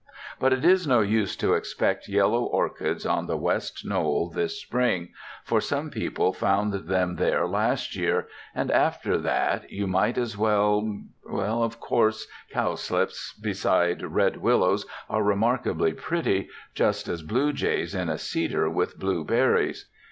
But it is no use to expect yellow orchids on the west knoll this spring, for some people found them there last year, and after that you might as well.... Of course cowslips beside red willows are remarkably pretty, just as blue jays in a cedar with blue berries....